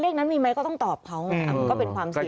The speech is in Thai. นั้นมีไหมก็ต้องตอบเขาไงมันก็เป็นความเสี่ยง